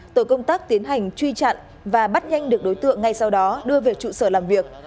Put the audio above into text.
tổ công tác tiến hành truy chặn và bắt nhanh được đối tượng ngay sau đó đưa về trụ sở làm việc